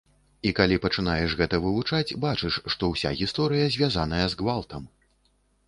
І калі пачынаеш гэта вывучаць, бачыш, што ўся гісторыя звязаная з гвалтам.